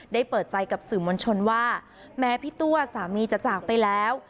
เปิดใจกับสื่อมวลชนว่าแม้พี่ตัวสามีจะจากไปแล้ว